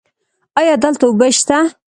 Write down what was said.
ایا دلته اوبه شته؟